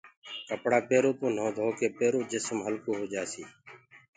ڪپڙآ پيرو تو نوه ڌوڪي پيرو جسم هلڪو هوجآسي